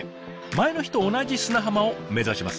前の日と同じ砂浜を目指します。